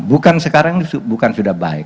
bukan sekarang ini bukan sudah baik